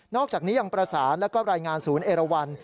อกจากนี้ยังประสานแล้วก็รายงานศูนย์เอราวัน